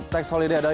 dengan anfitri mulia